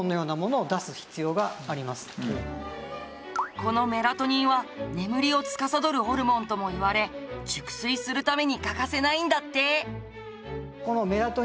このメラトニンは眠りを司るホルモンともいわれ熟睡するために欠かせないんだって。